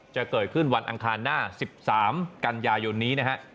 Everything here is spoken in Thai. จะเกิดขึ้นวันอังคารหน้า๑๓กันยายนนี้นะฮะ